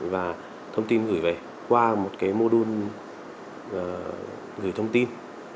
và thông tin gửi về qua một cái mô đun gửi thông tin